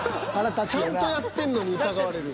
ちゃんとやってるのに疑われる。